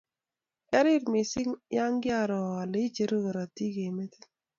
kiarir mising' ya koaroo ale icheru korotik eng' metit